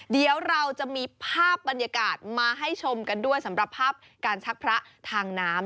เดี๋ยวเราจะมีภาพบรรยากาศมาให้ชมกันด้วยสำหรับภาพการชักพระทางน้ำ